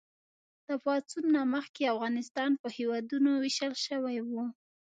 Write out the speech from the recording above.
د پاڅون نه مخکې افغانستان په هېوادونو ویشل شوی و.